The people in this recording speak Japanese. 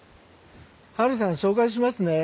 ハルさん紹介しますね。